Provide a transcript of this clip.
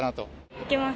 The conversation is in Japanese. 行きます。